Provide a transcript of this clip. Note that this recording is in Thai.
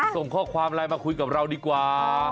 ส่งข้อความไลน์มาคุยกับเราดีกว่า